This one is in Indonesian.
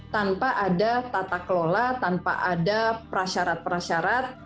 tanpa ada tata kelola tanpa ada prasyarat prasyarat